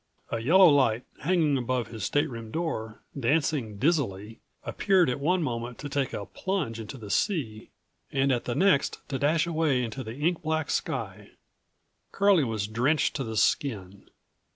A yellow light, hanging above his stateroom door, dancing dizzily, appeared at one moment to take a plunge into the sea and at the next to dash away into the ink black sky. Curlie was drenched to the skin.